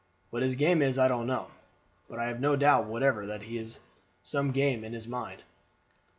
What his game is I don't know; but I have no doubt whatever that he has some game in his mind."